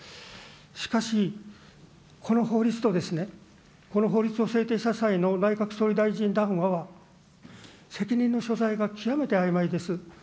しかし、この法律と、この法律を制定した際の内閣総理大臣談話は、責任の所在が極めてあいまいです。